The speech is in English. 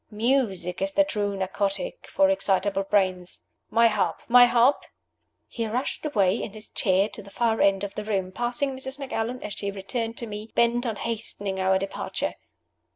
Music is the true narcotic for excitable brains. My harp! my harp!" He rushed away in his chair to the far end of the room, passing Mrs. Macallan as she returned to me, bent on hastening our departure.